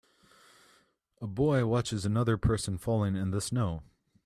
A boy watches another person falling in the snow.